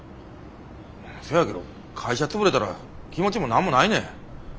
せやけど会社潰れたら気持ちも何もないねん。